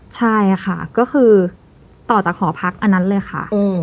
ใช่ค่ะก็คือต่อจากหอพักอันนั้นเลยค่ะ